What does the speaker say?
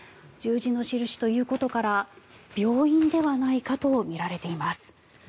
十字の印ということから病院ではないかとみられています。